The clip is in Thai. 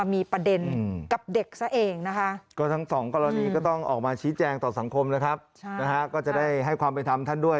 มาชี้แจงต่อสังคมนะครับก็จะได้ให้ความผิดธรรมท่านด้วย